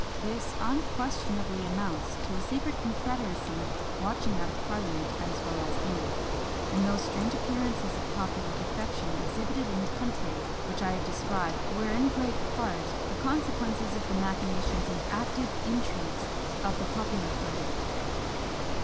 This unquestionably amounts to a secret confederacy watching out of parliament as well as in; and those strange appearances of popular defection exhibited in the country, which I have described, were in great part the consequences of the machinations and active intrigues of the popular party.